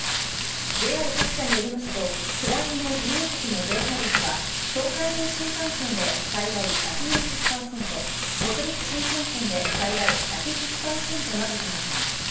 ＪＲ各社によりますと、下りの自由席の乗車率は東海道新幹線で最大１４０％、北陸新幹線で最大１１０％などとなっています。